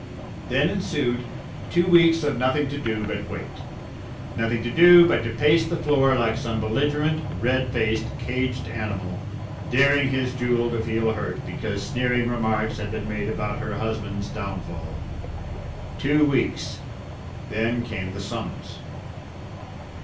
Then ensued two weeks of nothing to do but wait. Nothing to do but to pace the floor like some belligerent, red faced caged animal, daring his Jewel to feel hurt because sneering remarks had been made about her husband's downfall. Two weeks then came the summons.